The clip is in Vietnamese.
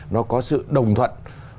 nó có sự đồng thuận